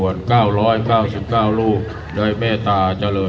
อธินาธาเวระมะนิสิขาปะทังสมาธิยามี